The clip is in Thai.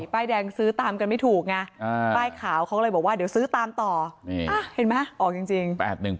ใบแดงซื้อตามกันไม่ถูกไงใบขาวเขาเลยบอกว่าสือตามต่ออ้าาเห็นไหมอย่างจริง